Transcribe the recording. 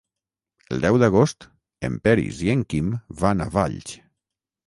El deu d'agost en Peris i en Quim van a Valls.